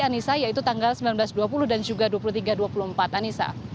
anissa yaitu tanggal sembilan belas dua puluh dan juga dua puluh tiga dua puluh empat anissa